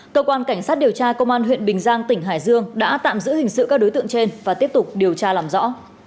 cơ quan cảnh sát điều tra công an huyện bình giang tỉnh hải dương đã tạm giữ hình sự các đối tượng trên và tiếp tục điều tra làm rõ